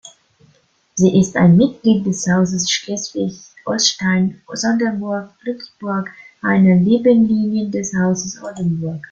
Sie ist ein Mitglied des Hauses Schleswig-Holstein-Sonderburg-Glücksburg, einer Nebenlinie des Hauses Oldenburg.